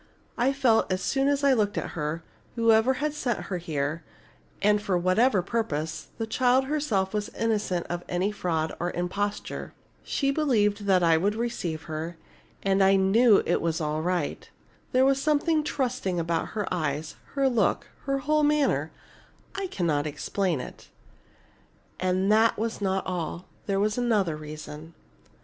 I felt as soon as I looked at her that, whoever had sent her here and for whatever purpose, the child herself was innocent of any fraud or imposture. She believed that I would receive her, that I knew it was all right. There was something trusting about her eyes, her look, her whole manner. I cannot explain it. And that was not all there was another reason.